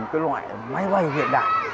cái loại máy bay hiện đại